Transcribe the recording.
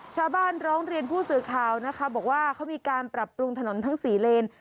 ชาวบ้านร้องเรียนผู้สื่อข่าวนะคะบอกว่าเขามีการปรับปรุงถนนทั้ง๔เลน